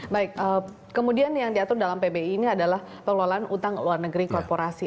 baik kemudian yang diatur dalam pbi ini adalah pengelolaan utang luar negeri korporasi